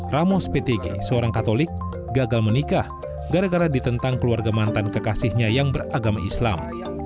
ramos ptg seorang katolik gagal menikah gara gara ditentang keluarga mantan kekasihnya yang beragama islam